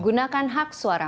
gunakan hak suara